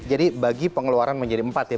jadi bagi pengeluaran menjadi empat ya